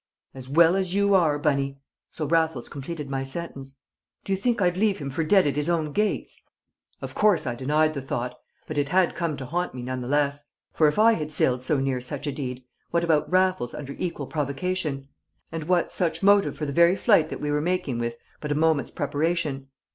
"As well as you are, Bunny!" so Raffles completed my sentence. "Do you think I'd leave him for dead at his own gates?" Of course I denied the thought; but it had come to haunt me none the less; for if I had sailed so near such a deed, what about Raffles under equal provocation? And what such motive for the very flight that we were making with but a moment's preparation?